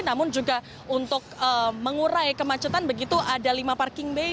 namun juga untuk mengurai kemacetan begitu ada lima parking bay